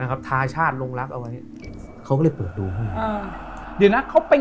นะครับทาชาติลงรักเอาไว้เขาก็เลยเปิดดูอืมเดี๋ยวนะเขาไป